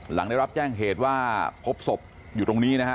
หลังได้รับแจ้งเหตุว่าพบศพอยู่ตรงนี้นะฮะ